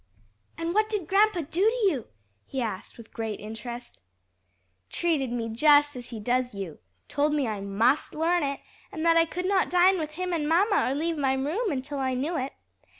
"And what did grandpa do to you?" he asked with great interest. "Treated me just as he does you told me I must learn it, and that I could not dine with him and mamma or leave my room until I knew it.